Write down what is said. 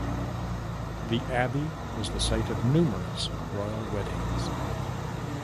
The abbey was the site of numerous royal weddings.